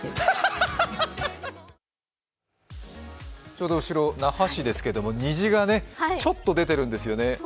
ちょうど後ろ、那覇市ですけど虹がちょっと出てるんですよね。